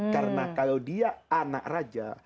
karena kalau dia anak raja